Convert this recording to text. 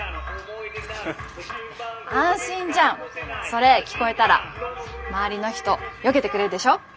安心じゃんそれ聞こえたら周りの人よけてくれるでしょ。